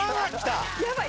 やばい。